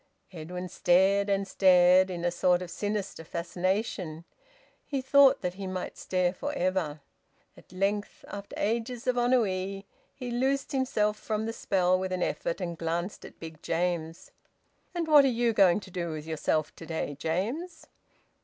Edwin stared and stared, in a sort of sinister fascination. He thought that he might stare for ever. At length, after ages of ennui, he loosed himself from the spell with an effort and glanced at Big James. "And what are you going to do with yourself to day, James?"